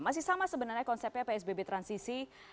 masih sama sebenarnya konsepnya psbb transisi